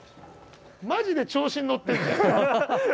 マジで調子に乗ってるじゃん。